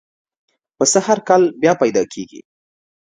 پسه هر کال بیا پیدا کېږي.